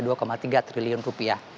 nah tiga triliun rupiah